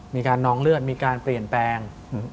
นองเลือดมีการเปลี่ยนแปลง